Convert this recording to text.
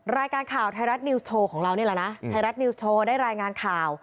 รายการข่าวไทยรัฐนิวส์โชว์ของเรานี่แหละนะไทยรัฐนิวส์โชว์ได้รายงานข่าว